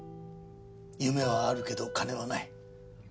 夢はあるけど金はない。